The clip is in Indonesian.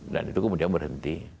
dan itu kemudian berhenti